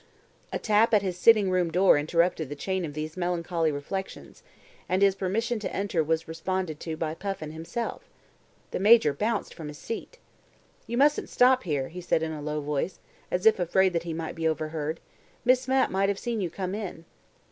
A tap at his sitting room door interrupted the chain of these melancholy reflections, and his permission to enter was responded to by Puffin himself. The Major bounced from his seat. "You mustn't stop here," he said in a low voice, as if afraid that he might be overhead. "Miss Mapp may have seen you come in."